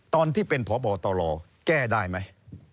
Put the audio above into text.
ตอนที่เป็นพบตรแก้ได้ไหม